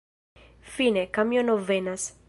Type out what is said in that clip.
Fine, kamiono venas.